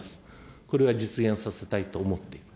これは実現させたいと思っている。